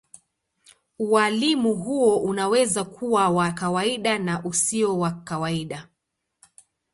Ualimu huo unaweza kuwa wa kawaida na usio wa kawaida.